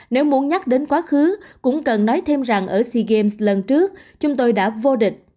nếu muốn nhắc đến quá khứ cũng cần nói thêm rằng ở sea games lần trước chúng tôi đã vô địch